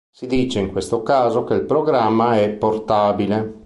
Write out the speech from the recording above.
Si dice in questo caso che il programma è portabile.